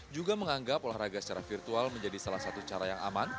juga menganggap olahraga secara virtual menjadi salah satu cara yang aman